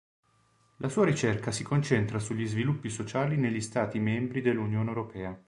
La sua ricerca si concentra sugli sviluppi sociali negli Stati membri dell'Unione europea.